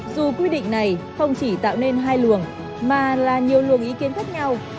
dù quy định này không chỉ tạo nên hai luồng mà là nhiều luồng ý kiến khác nhau